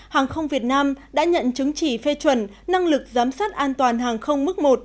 hàng không việt nam đã nhận chứng chỉ phê chuẩn năng lực giám sát an toàn hàng không mức một